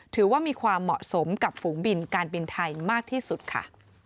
ถือว่ามีความเหมาะสมกับฝูงบินการบินไทยมากที่สุดค่ะ